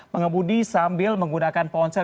mengembudi sambil menggunakan ponsel